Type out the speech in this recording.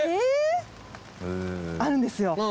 あるんですよ。